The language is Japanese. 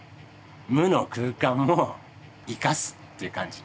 無の空間も生かすっていう感じ。